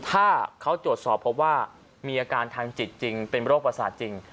ถ้าเขาตรวจสอบพบว่ามีอาการทางจิตจริงเป็นโรคประสาทจริง